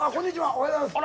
おはようございます。